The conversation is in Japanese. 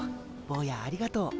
ぼうやありがとう。